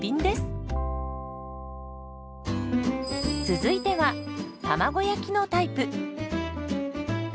続いては卵焼きのタイプ。